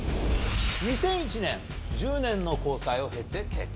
２００１年、１０年の交際を経て結婚。